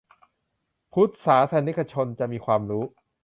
พุทธศาสนิกชนจะมีความรู้